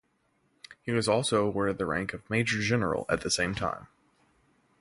He was also awarded the rank of Major General at the same time.